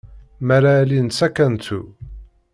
Mi ara alin s akantu.